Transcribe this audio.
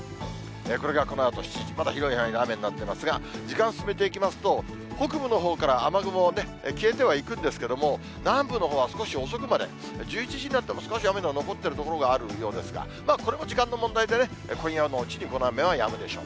これがこのあと７時、まだ広い範囲で雨になってますが、時間進めていきますと、北部のほうから雨雲、消えてはいくんですけど、南部のほうは少し遅くまで、１１時になっても少し雨の残っている所があるようですが、これも時間の問題でね、今夜のうちにこの雨はやむでしょう。